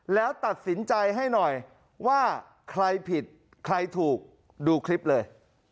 แล้วตัดสินใจให้หน่อยว่าใครผิดใครถูกดูคลิปเลย